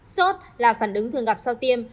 sốt là phản ứng thường gặp sau tiêm